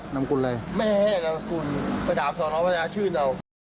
นำกุลอะไรไม่ให้นามสกุลไปถามสอนอประชาชื่นเอา